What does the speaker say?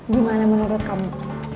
gimana menurut kamu